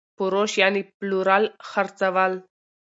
فروش √ پلورل خرڅول